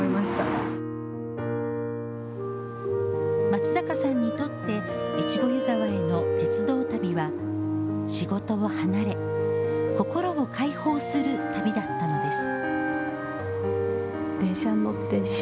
松坂さんにとって越後湯沢への鉄道旅は仕事を離れ心を解放する旅だったのです。